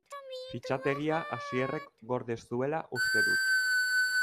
Fitxategia Asierrek gorde zuela uste dut.